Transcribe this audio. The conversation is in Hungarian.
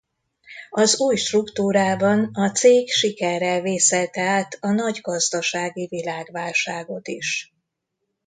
Az új struktúrában a cég sikerrel vészelte át a nagy gazdasági világválságot is.